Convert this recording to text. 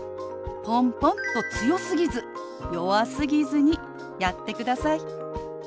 ポンポンと強すぎず弱すぎずにやってください。